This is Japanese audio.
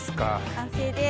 完成です。